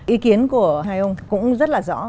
ý kiến của hai ông cũng rất là rõ